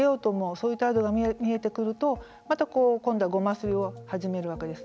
そういう態度が見えてくると今度はごますりを始めるわけです。